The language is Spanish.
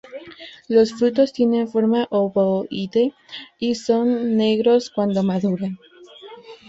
Los frutos tienen forma ovoide y son negros cuando maduran.